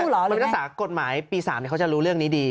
มันเป็นนักศึกษากฎหมายปี๓เขาจะรู้เรื่องนี้ดี